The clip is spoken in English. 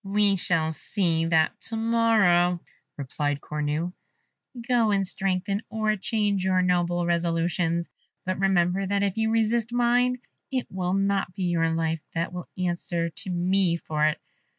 "We shall see that to morrow," replied Cornue. "Go and strengthen or change your noble resolutions; but remember that if you resist mine, it will not be your life that will answer to me for it.